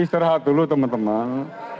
istirahat dulu teman teman